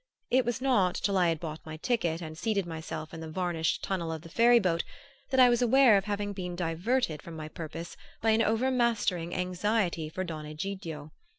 It was not till I had bought my ticket and seated myself in the varnished tunnel of the ferry boat that I was aware of having been diverted from my purpose by an overmastering anxiety for Don Egidio.